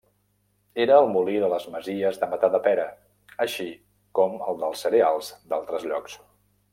Era el molí de les masies de Matadepera, així com el dels cereals d'altres llocs.